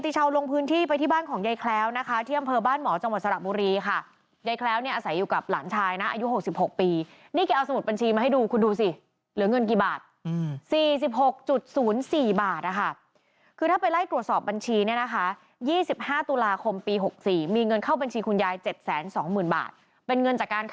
จากการขายที่ดินแปลงหนึ่ง